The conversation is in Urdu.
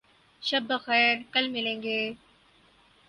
شب بخیر. کل ملیں گے